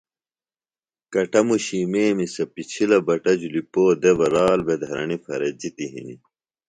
کٹموشی میمیۡ سےۡ پِچھلہ بٹہ جُھلیۡ پو دےۡ بہ رال بھےۡ دھرݨیۡ پھرےۡ جِتیۡ ہنیۡ